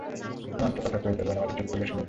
হিমাংশু কথা কহিত, বনমালী চুপ করিয়া শুনিত।